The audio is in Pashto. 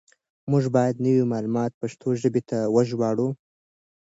موږ بايد نوي معلومات پښتو ژبې ته وژباړو.